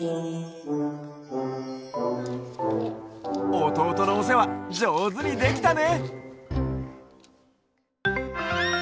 おとうとのおせわじょうずにできたね！